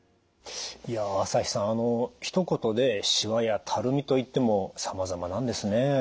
朝日さんひと言でしわやたるみといってもさまざまなんですね。